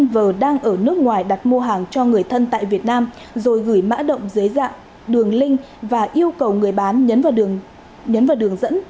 g đang ở nước ngoài đặt mua hàng cho người thân tại việt nam rồi gửi mã động dưới dạng đường link và yêu cầu người bán nhấn vào nhấn vào đường dẫn